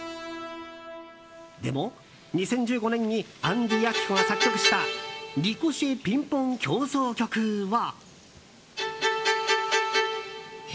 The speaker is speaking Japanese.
でも、２０１５年にアンディ・アキホが作曲した「リコシェピンポン協奏曲」は。